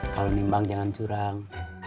kalau nimbang jangan curang